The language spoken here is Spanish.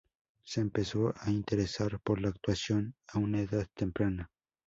Se empezó a interesar por la actuación a una edad temprana.